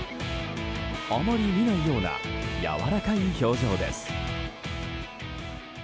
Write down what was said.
あまり見ないようなやわらかい表情です。